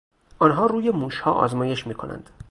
آنها روی موشها آزمایش می کنند.